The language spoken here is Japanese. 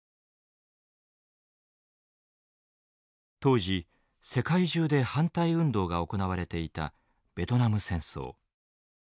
当時世界中で反対運動が行われていたベトナム戦争。